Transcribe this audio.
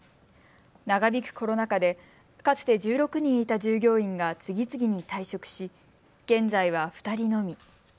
長引くコロナ禍でかつて１６人いた従業員が次々に退職し現在は２人のみ。